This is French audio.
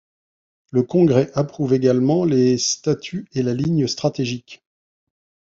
Le congrès approuve également les statuts et la ligne stratégique.